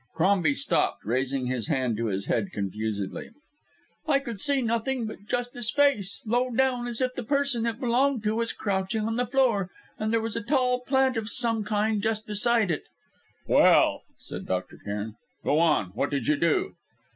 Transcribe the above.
Crombie stopped, raising his hand to his head confusedly. "I could see nothing but just this face low down as if the person it belonged to was crouching on the floor; and there was a tall plant of some kind just beside it " "Well," said Dr. Cairn, "go on! What did you do?"